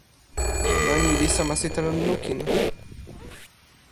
ma ni li sama sitelen lukin!